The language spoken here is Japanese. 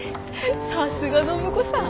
さすが暢子さん。